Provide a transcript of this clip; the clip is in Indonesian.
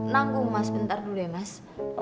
nanggung mas bentar dulu ya mas